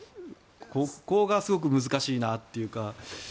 ここがすごく難しいなというか。